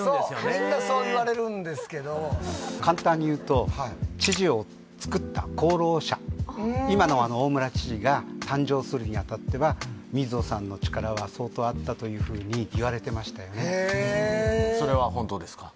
みんなそう言われるんですけど簡単に言うと今の大村知事が誕生するにあたっては水野さんの力は相当あったというふうにいわれてましたよねへえそれは本当ですか？